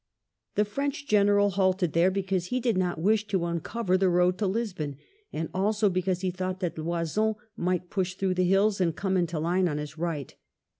The French General halted there because he did not wish to uncover the road to Lisbon, and also because he thought that Loison might push through the hills and come into line on his right.